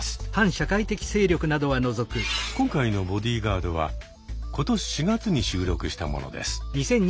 今回の「ボディーガード」は今年４月に収録したものです。